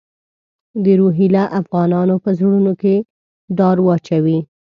د روهیله افغانانو په زړونو کې ډار واچوي.